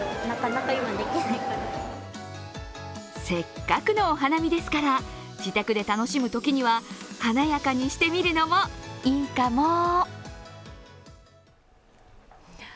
せっかくのお花見ですから自宅で楽しむときには華やかにしてみるのもいいかも。